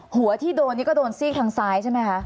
หัวที่โดนนี่ก็โดนซีกทางซ้ายใช่ไหมคะ